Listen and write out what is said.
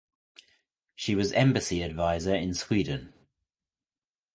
She was embassy adviser in Sweden.